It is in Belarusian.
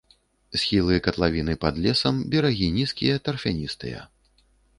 Схілы катлавіны пад лесам, берагі нізкія, тарфяністыя.